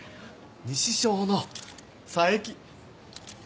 西小の佐伯。